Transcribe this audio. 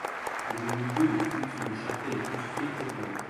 Devenu lieu de culte, une chapelle est construite à cet endroit.